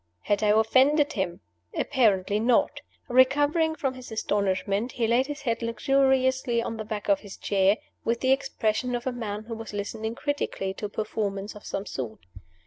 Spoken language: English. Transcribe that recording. Had I offended him? Apparently not. Recovering from his astonishment, he laid his head luxuriously on the back of his chair, with the expression of a man who was listening critically to a performance of some sort.